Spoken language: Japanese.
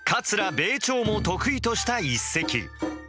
米朝も得意とした一席。